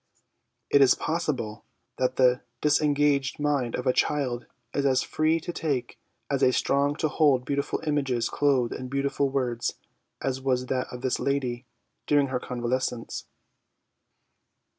It is possible that the disengaged mind of a child is as free to take and as strong to hold beautiful images clothed in beautiful words as was that of this lady during her convalescence.